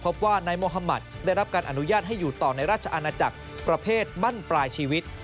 พบว่านายโมฮามัติได้รับการอนุญาตให้อยู่ต่อในราชอาณาจักรประเภทมั่นปลายชีวิต